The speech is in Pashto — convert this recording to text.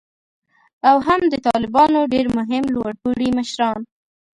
او هم د طالبانو ډیر مهم لوړ پوړي مشران